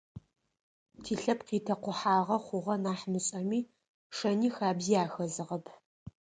Тилъэпкъ итэкъухьагъэ хъугъэ нахь мышӏэми, шэни хабзи ахэзыгъэп.